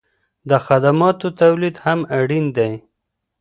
د خدماتو تولید هم اړین دی.